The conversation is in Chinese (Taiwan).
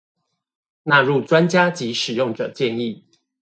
納入專家及使用者建議